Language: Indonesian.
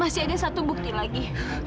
masih ada satu bukti lagi